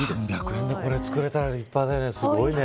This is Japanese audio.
３００円でこれ作れたら立派だよね。